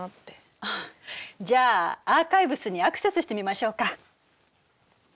じゃあアーカイブスにアクセスしてみましょうか。